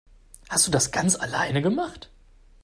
Hast du das ganz alleine gemacht?